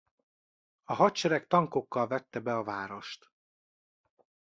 A hadsereg tankokkal vette be a várost.